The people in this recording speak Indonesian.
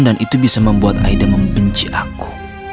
dan itu bisa membuat aida membenci aku